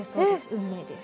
「運命」です。